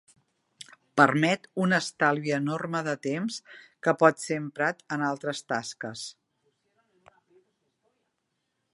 Permet un estalvi enorme de temps que pot ser emprat en altres tasques.